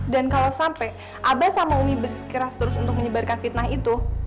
dan kalau sampai abah sama umi bersekeras terus untuk menyebarkan fitnah itu